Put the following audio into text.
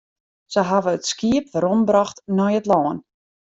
Se hawwe it skiep werombrocht nei it lân.